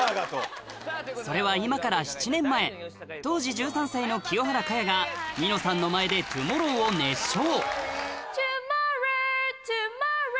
それは今から７年前当時１３歳の清原果耶がニノさんの前で『Ｔｏｍｏｒｒｏｗ』を熱唱